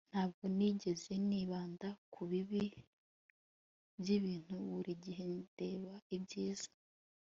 ntabwo nigeze, nibanda ku bibi by'ibintu. buri gihe ndeba ibyiza